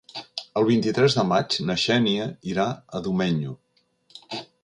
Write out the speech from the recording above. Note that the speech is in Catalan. El vint-i-tres de maig na Xènia irà a Domenyo.